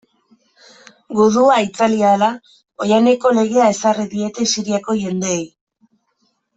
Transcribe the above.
Gudua itzali ahala, oihaneko legea ezarri diete Siriako jendeei.